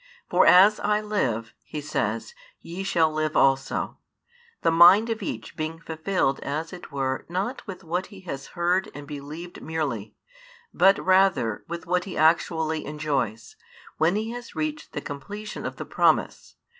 For as I live, He says, ye shall live also; the mind of each being fulfilled as it were not with what he has heard and believed merely, but rather with what he actually enjoys, when he has reached the completion of the promise.